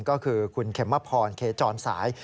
ก็คือคุณเขมพรเขจรสาย